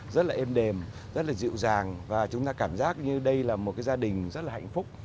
rất là êm đềm rất là dịu dàng và chúng ta cảm giác như đây là một cái gia đình rất là hạnh phúc